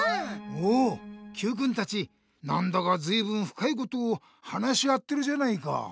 おおＱくんたちなんだかずいぶんふかいことを話し合ってるじゃないか！